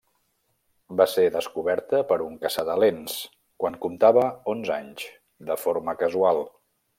Va ser descoberta per un caça-talents quan comptava onze anys, de forma casual.